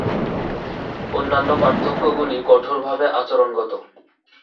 অন্যান্য পার্থক্যগুলি কঠোরভাবে আচরণগত।